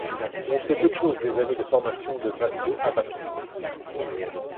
On sait peu de choses des années de formation de Masséot Abaquesne.